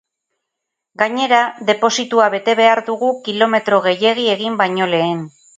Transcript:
Gainera, depositua bete behar dugu kilometro gehiegi egin baino lehen.